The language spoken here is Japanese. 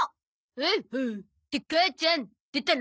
ほうほう。って母ちゃん出たの？